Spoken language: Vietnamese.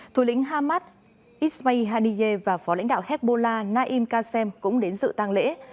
thủ lĩnh hamad ismail haniyeh và phó lãnh đạo hezbollah naim qasem cũng đến dự tăng lễ